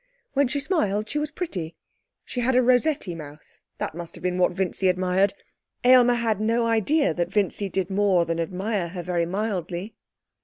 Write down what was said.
When she smiled she was pretty; she had a Rossetti mouth; that must have been what Vincy admired. Aylmer had no idea that Vincy did more than admire her very mildly.